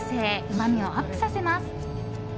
うまみをアップさせます。